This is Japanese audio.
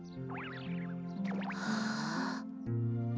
はあ。